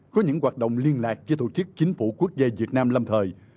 có những hoạt động liên lạc với tổ chức chính phủ quốc gia việt nam lâm thời